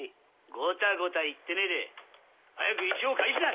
ゴタゴタ言ってねえで早く石を返しな。